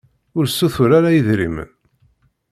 Ur ssutur ara idrimen.